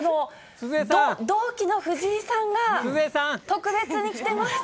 同期の藤井さんが、特別に来てます。